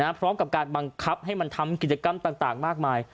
พร้อมกับการบังคับให้มันทำกิจกรรมต่างมากมาย